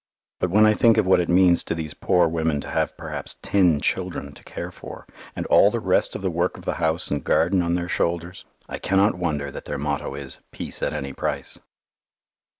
But when I think of what it means to these poor women to have perhaps ten children to care for, and all the rest of the work of the house and garden on their shoulders, I cannot wonder that their motto is "peace at any price."